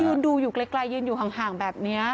คนกังวลมากน่ะคนก็ยืนดูอยู่ไกลไกลยืนอยู่ห่างห่างแบบเนี้ย